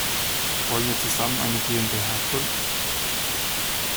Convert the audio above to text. Wollen wir zusammen eine GmbH gründen?